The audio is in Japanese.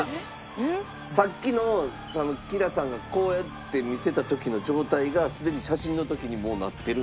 さっきのＫｉＬａさんがこうやって見せた時の状態がすでに写真の時にもうなってるんですよ。